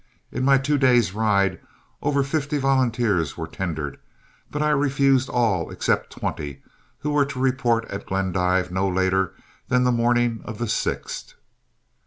In my two days' ride, over fifty volunteers were tendered, but I refused all except twenty, who were to report at Glendive not later than the morning of the 6th.